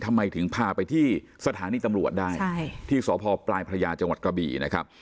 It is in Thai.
ทำไมถึงพาไปที่สถานีตำรวจได้ที่สพปลายพระยาจังหวัดกระบี่นะครับ